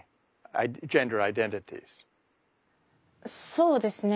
そうですね。